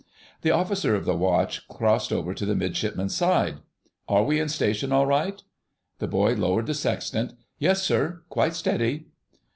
The Officer of the Watch crossed over to the Midshipman's side. "Are we in station all right?" The boy lowered the sextant: "Yes, sir, quite steady."